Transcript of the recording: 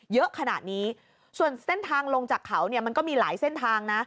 เยอะขนาดนี้ส่วนเส้นทางลงจากเขาเนี่ยมันก็มีหลายเส้นทางนะ